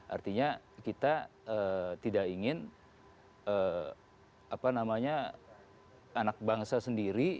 artinya kita tidak ingin anak bangsa sendiri